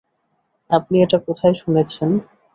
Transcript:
আপনি এটা কোথায় শুনেছেন?